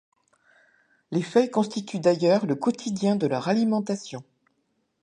Les feuilles constituent d'ailleurs le quotidien de leur alimentation.